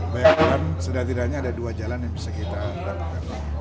bayangkan setidaknya ada dua jalan yang bisa kita lakukan